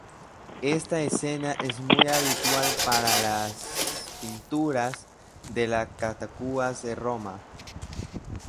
Esta escena es muy habitual en las pinturas de las catacumbas de Roma.